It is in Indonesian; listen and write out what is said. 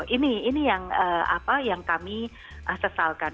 ini ini yang apa yang kami sesalkan